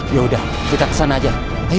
yaudah kita kesana aja